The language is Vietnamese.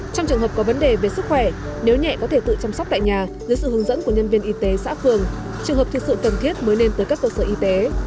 trong trường hợp có vấn đề về sức khỏe nếu nhẹ có thể tự chăm sóc tại nhà dưới sự hướng dẫn của nhân viên y tế xã phường trường hợp thực sự cần thiết mới nên tới các cơ sở y tế